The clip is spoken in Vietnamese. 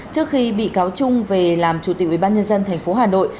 trước khi bị cáo trung về làm chủ tịch ubnd tp hà nội